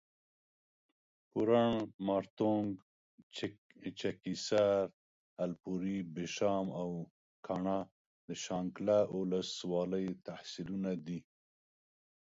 پورڼ، مارتونګ، چکېسر، الپورۍ، بشام او کاڼا د شانګله اولس والۍ تحصیلونه دي